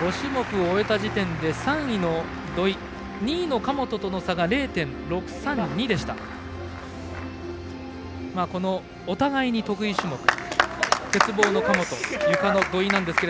５種目終えた時点で３位の土井２位の神本との差が０．６３２お互いに得意種目鉄棒の神本、ゆかの土井ですが。